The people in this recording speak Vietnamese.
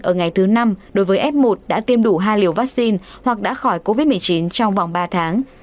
ở ngày thứ năm đối với f một đã tiêm đủ hai liều vaccine hoặc đã khỏi covid một mươi chín trong vòng ba tháng